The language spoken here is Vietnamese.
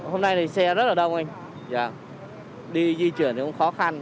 hôm nay thì xe rất là đông anh đi di chuyển cũng khó khăn